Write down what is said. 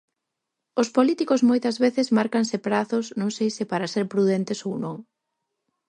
Os políticos moitas veces márcanse prazos non sei se para ser prudentes ou non.